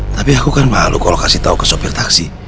tapi aku kan malu kalau kasih tahu ke sopir taksi